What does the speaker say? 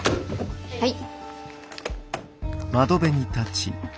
はい。